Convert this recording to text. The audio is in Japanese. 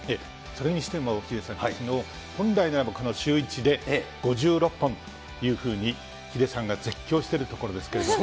それにしてもヒデさん、きのう、本来ならばこのシューイチで５６本というふうに、ヒデさんが絶叫してるところですけれども。